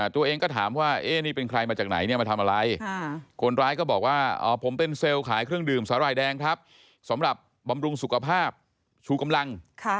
ตัวเองก็ถามว่านี่เป็นใครมาจากไหนเนี่ยมาทำอะไรคนร้ายก็บอกว่าผมเป็นเซลล์ขายเครื่องดื่มสาหร่ายแดงครับสำหรับบำรุงสุขภาพชูกำลัง